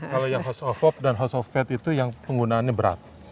kalau yang house of hope dan house of fat itu yang penggunaannya berat